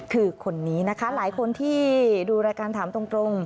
คือคนนี้นะคะหลายคนที่ดูรายการถามตรง